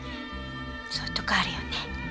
そういうとこあるよね。